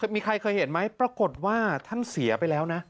มีใครเคยเห็นไหมปรากฏว่าท่านเสียไปแล้วนะ